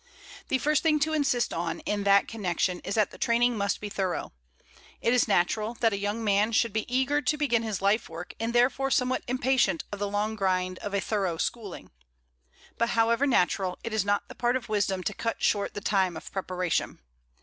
The first thing to insist on in that connection is that the training must be thorough. It is natural that a young man should be eager to begin his life work and therefore somewhat impatient of the long grind of a thorough schooling. But however natural, it is not the part of wisdom to cut short the time of preparation.